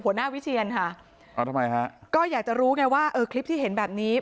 วิเชียนค่ะเอาทำไมฮะก็อยากจะรู้ไงว่าเออคลิปที่เห็นแบบนี้